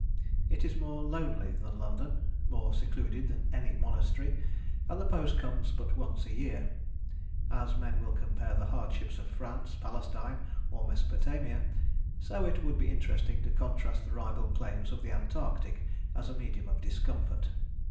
It is more lonely than London, more secluded than any monastery, and the post comes but once a year. As men will compare the hardships of France, Palestine, or Mesopotamia, so it would be interesting to contrast the rival claims of the Antarctic as a medium of discomfort.